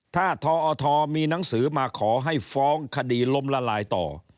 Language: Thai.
ถ้าทอทมีหนังสือมาขอให้ฟ้องคดีล้มละลายต่อ